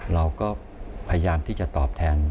เราก็พยายามที่จะตอบแทน